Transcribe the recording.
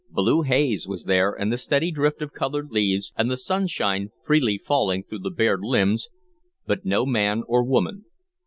Blue haze was there, and the steady drift of colored leaves, and the sunshine freely falling through bared limbs, but no man or woman.